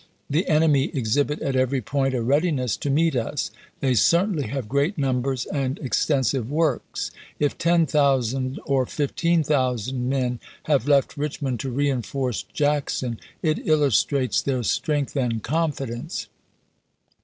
The enemy exhibit at every point a readiness to meet us. They certainly have great numbers and ex tensive works. If 10,000 or 15,000 men have left Rich mond to reenforce Jackson, it illustrates their strength and confidence.